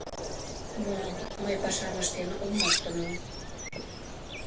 — Мо, мый пашам ыштен ом мошто мо?